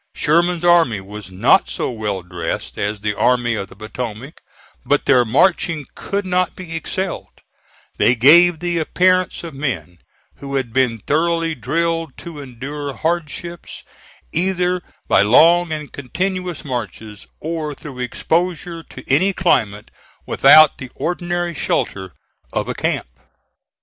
Sherman's army was not so well dressed as the Army of the Potomac, but their marching could not be excelled; they gave the appearance of men who had been thoroughly drilled to endure hardships, either by long and continuous marches or through exposure to any climate, without the ordinary shelter of a camp.